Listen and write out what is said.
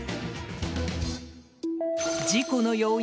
事故の要因